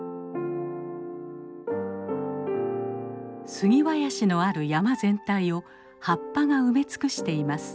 杉林のある山全体を葉っぱが埋め尽くしています。